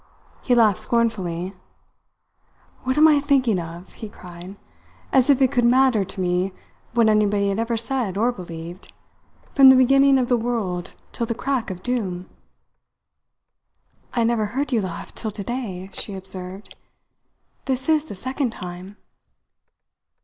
He laughed scornfully. "What am I thinking of?" he cried. "As if it could matter to me what anybody had ever said or believed, from the beginning of the world till the crack of doom!" "I never heard you laugh till today," she observed. "This is the second time!"